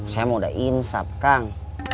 saya mau udah insaf kang